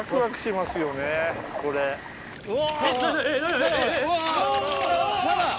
うわ！